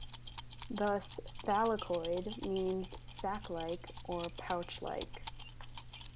Thus, "thylakoid" means "sac-like" or "pouch-like".